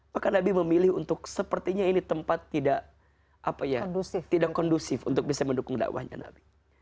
maka nabi memilih untuk sepertinya ini tempat tidak kondusif untuk bisa mendukung dakwahnya nabi